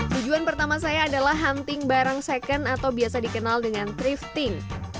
tujuan pertama saya adalah hunting barang second atau biasa dikenal dengan thrifting